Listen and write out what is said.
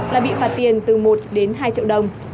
là bị phạt tiền từ một đến hai triệu đồng